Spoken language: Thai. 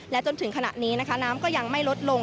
จนถึงขณะนี้นะคะน้ำก็ยังไม่ลดลง